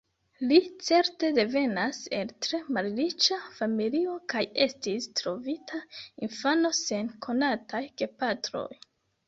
Li certe devenas el tre malriĉa familio, kaj estis trovita infano sen konataj gepatroj.